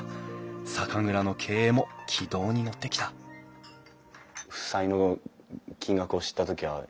酒蔵の経営も軌道に乗ってきた負債の金額を知った時は？